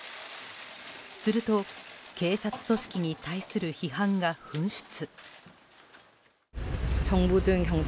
すると警察組織に対する批判が噴出。